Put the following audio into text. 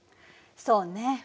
そうね。